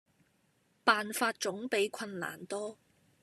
辦法總比困難多